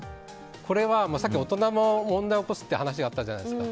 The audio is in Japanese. これは、さっき大人も問題を起こすという話があったじゃないですか。